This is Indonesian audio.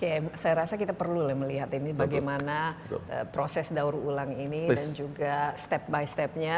oke saya rasa kita perlu melihat ini bagaimana proses daur ulang ini dan juga step by stepnya